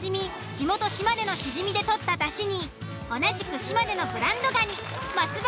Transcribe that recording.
地元島根のシジミでとっただしに同じく島根のブランドガニ松葉